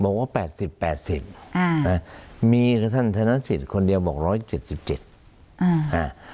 บอกว่าแปดสิบแปดสิบอ่านะมีแต่ท่านธนสิทธิ์คนเดียวบอกร้อยเจ็ดสิบเจ็ดอ่าอ่า